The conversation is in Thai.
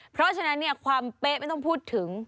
เพราะฉะนั้นเนี่ยความเป๊ะไม่ต้องพูดถึง